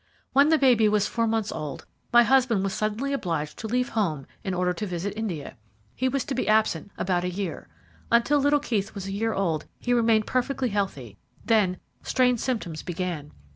"When the baby was four months old my husband was suddenly obliged to leave home in order to visit India. He was to be absent about a year. Until little Keith was a year old he remained perfectly healthy, then strange symptoms began.